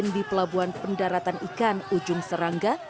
di pelabuhan pendaratan ikan ujung serangga